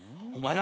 何！？